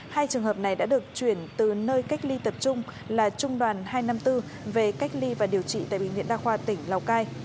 hai trường hợp này đã được chuyển từ nơi cách ly tập trung là trung đoàn hai trăm năm mươi bốn về cách ly và điều trị tại bệnh viện đa khoa tỉnh lào cai